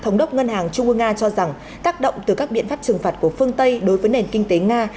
ngân hàng trung quốc nga cho rằng tác động từ các biện pháp trừng phạt của phương tây đối với nền kinh tế nga